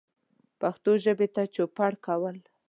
پښتو ژبې ته چوپړ کول